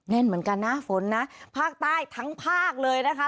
แน่นเหมือนกันนะฝนนะภาคใต้ทั้งภาคเลยนะคะ